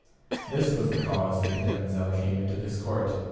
This was the cause that the damosel came into this court.